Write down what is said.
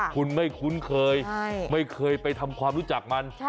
คุณไม่คุ้นเคยไม่เคยไปทำความรู้จักมัน